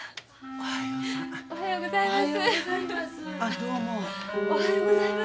おはようございます。